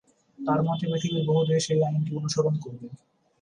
তার মতে পৃথিবীর বহু দেশ এই আইনটি অনুসরণ করবে।